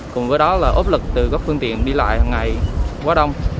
cùng với đó là ốp lực từ các phương tiện đi lại hằng ngày quá đông